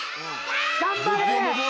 頑張れ！